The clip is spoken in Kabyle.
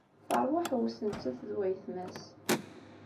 Teṛwa aḥewwes nettat d wayetma-s.